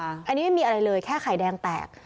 อันนี้ไม่มีอะไรเลยแค่ไข่แดงแตก